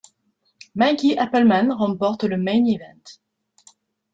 Mickey Appleman remporte le Main Event.